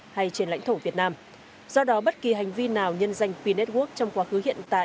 hay trên lãnh thổ việt nam do đó bất kỳ hành vi nào nhân danh p network trong quá khứ hiện tại